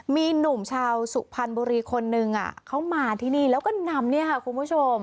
มีหนุ่มชาวสุพรรณบุรีคนนึงเขามาที่นี่แล้วก็นำเนี่ยค่ะคุณผู้ชม